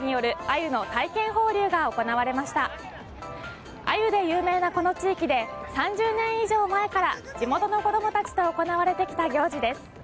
アユで有名なこの地域で３０年以上前から地元の子供たちと行われてきた行事です。